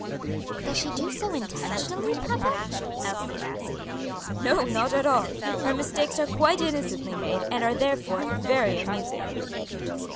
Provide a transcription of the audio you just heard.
"Does she do so intentionally, papa?" Elsie asked. "No, not at all; her mistakes are quite innocently made, and are therefore very amusing."